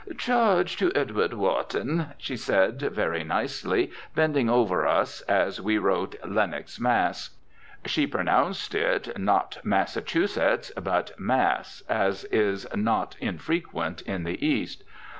"Charge to Edward Wharton," she said, very nicely, bending over us as we wrote "Lenox, Mass." She pronounced it not Massachusetts, but Mass, as is not infrequent in the East.